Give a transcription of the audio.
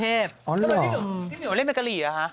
แล้วเรากำลังเล่นแมตกรีอะค่ะ